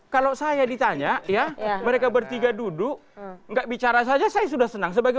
kalau saya ditanya ya mereka bertiga duduk nggak bicara saja saya sudah senang